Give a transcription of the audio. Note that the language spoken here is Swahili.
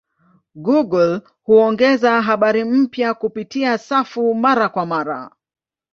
Google huongeza habari mpya kupitia safu mara kwa mara.